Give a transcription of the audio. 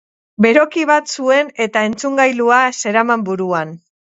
Beroki bat zuen eta entzungailua zeraman buruan.